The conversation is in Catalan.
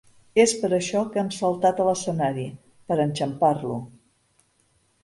És per això que hem saltat a l'escenari, per enxampar-lo.